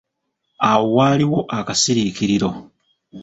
Awo waaliwo akasirikiriro.